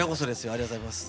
ありがとうございます。